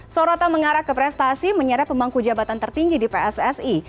sorotan mengarah ke prestasi menyeret pemangku jabatan tertinggi di pssi